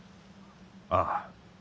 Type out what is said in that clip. ああ。